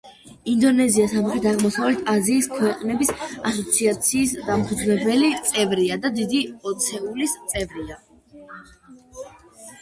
ინდონეზია სამხრეთ-აღმოსავლეთ აზიის ქვეყნების ასოციაციის დამფუძნებელი წევრია და დიდი ოცეულის წევრია.